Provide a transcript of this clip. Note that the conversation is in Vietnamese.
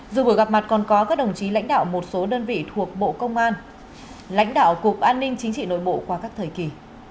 dù buổi gặp mặt còn có các đồng chí lãnh đạo một số đơn vị thuộc bộ công an lãnh đạo cục an ninh chính trị nội bộ qua các thời kỳ